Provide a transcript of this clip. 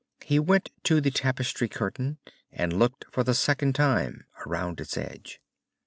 He went to the tapestry curtain and looked for the second time around its edge.